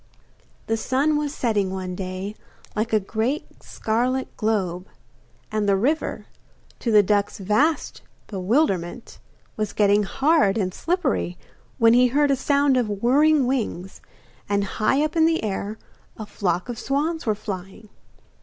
The sun was setting one day, like a great scarlet globe, and the river, to the duckling's vast bewilderment, was getting hard and slippery, when he heard a sound of whirring wings, and high up in the air a flock of swans were flying.